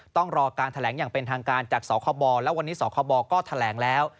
ต้องรอการแถลงอย่างเป็นทางการจากสคบและวันนี้สคบก็แถลงแล้ว